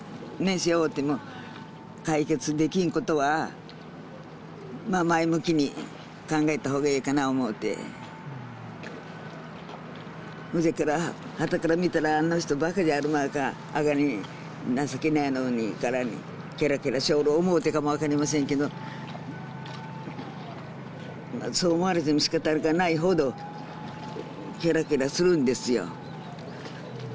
背負うても解決できんことはまあ前向きに考えた方がええかな思うてじゃからはたからみたらあの人バカじゃあるまいかあがに情けないのにからにケラケラしよる思うてかも分かりませんけどそう思われてもしかたがないほどケラケラするんですよ